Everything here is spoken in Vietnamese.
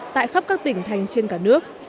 tại khắp các tỉnh thành trên cả nước